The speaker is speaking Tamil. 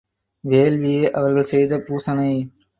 வேள்வியே அவர்கள் செய்த பூசனை.